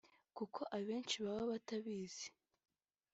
kuko abenshi baba batabizi